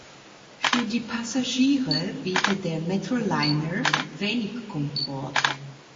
Für die Passagiere bietet der Metroliner wenig Komfort.